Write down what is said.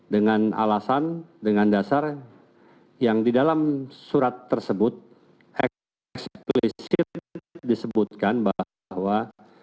dengan alasan dengan dasar yang di dalam surat tersebut eksplisit disebutkan bahwa